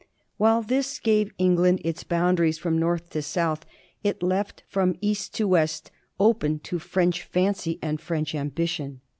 While this gave England its boundaries from north to south, it left from east to west open to French fancy and French ambition.